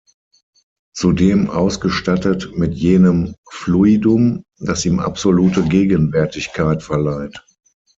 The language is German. Zudem ausgestattet mit jenem Fluidum, das ihm absolute Gegenwärtigkeit verleiht.